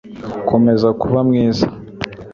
komeza kuba mwiza